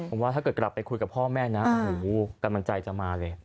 ผมว่าถ้าเกิดกลับไปคุยกับพ่อแม่นะโอ้โหกำลังใจจะมาเลย